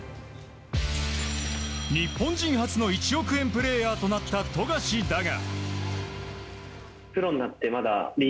日本人初の１億円プレーヤーとなった富樫だが。